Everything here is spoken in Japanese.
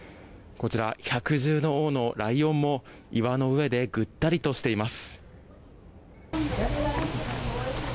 こちら百獣の王のライオンも岩の上でぐったりとしています。